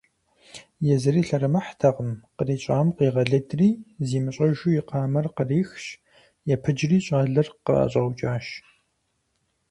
Езыри лъэрымыхьтэкъым, кърищӀам къигъэлыдри, зимыщӀэжу и къамэр кърихщ, епыджри щӏалэр къыӀэщӀэукӀащ.